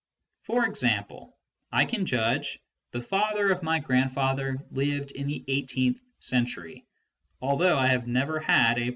For example, I can judge " the father of my grandfather lived in the eighteenth century," although I have never had a presentation ┬╗ Mind, July, 1912, pp.